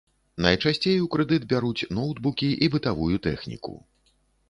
Найчасцей у крэдыт бяруць ноўтбукі і бытавую тэхніку.